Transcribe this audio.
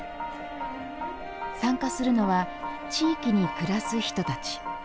参加するのは地域に暮らす人たち。